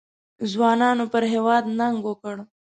ځوانانو پر هېواد ننګ وکړ.